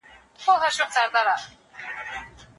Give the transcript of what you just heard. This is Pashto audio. داسې کیسې چې نورو ته لارښوونه کوي.